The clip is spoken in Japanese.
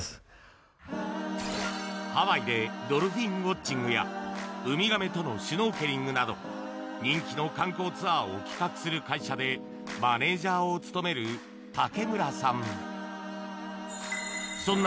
ハワイでドルフィンウォッチングやウミガメとのシュノーケリングなど人気の観光ツアーを企画する会社でマネージャーを務める竹村さん。